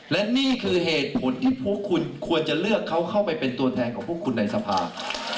และนี่คือเหตุผลที่พวกคุณควรจะเลือกเขาเข้าไปเป็นตัวแทนของพวกคุณในสภา